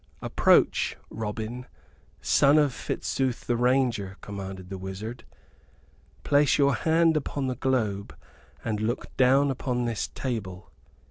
"Approach, Robin, son of Fitzooth the Ranger," commanded the wizard. "Place your hand upon the globe and look down upon this table."